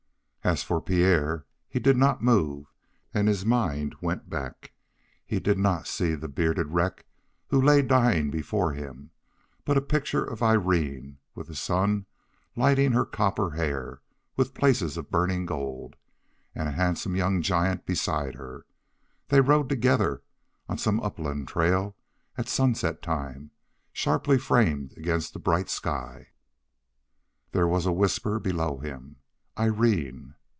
As for Pierre, he did not move, and his mind went back. He did not see the bearded wreck who lay dying before him, but a picture of Irene, with the sun lighting her copper hair with places of burning gold, and a handsome young giant beside her. They rode together on some upland trail at sunset time, sharply framed against the bright sky. There was a whisper below him: "Irene!"